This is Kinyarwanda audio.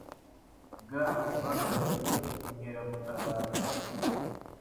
g. Uhagarariye Inkeragutabara;